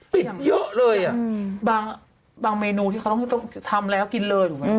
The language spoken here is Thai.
เยอะเลยอ่ะบางเมนูที่เขาต้องทำแล้วกินเลยถูกไหม